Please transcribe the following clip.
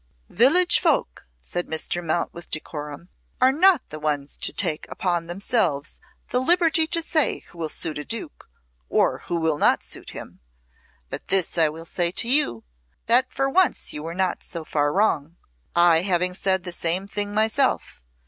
'" "Village folk," said Mr. Mount with decorum, "are not the ones to take upon themselves the liberty to say who will suit a Duke or who will not suit him. But this I will say to you, that for once you were not so far wrong; I having said the same thing myself.